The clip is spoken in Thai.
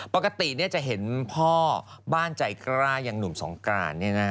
ปกติจะเห็นพ่อบ้านใจกล้าอย่างหนุ่มสงกราน